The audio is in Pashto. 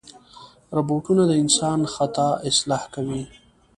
روبوټونه د انسان خطا اصلاح کوي.